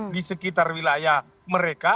di sekitar wilayah mereka